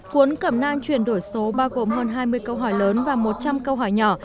cuốn cẩm nang chuyển đổi số bao gồm hơn hai mươi câu hỏi lớn và một trăm linh câu hỏi nhỏ